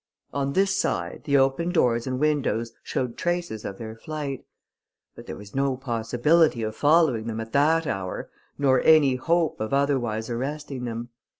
On this side, the open doors and windows showed traces of their flight; but there was no possibility of following them at that hour, nor any hope of otherwise arresting them.